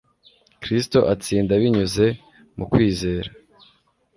Kristo atsinda binyuze mu kwizera.